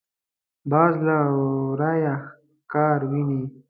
باز له ورايه ښکار ویني